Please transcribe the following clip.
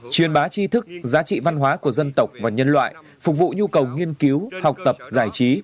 truyền bá chi thức giá trị văn hóa của dân tộc và nhân loại phục vụ nhu cầu nghiên cứu học tập giải trí